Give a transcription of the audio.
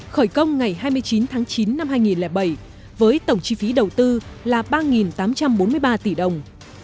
khởi công ngày hai mươi chín tháng chín năm hai nghìn bảy với tổng chi phí đầu tư là ba tám trăm bốn mươi ba tỷ đồng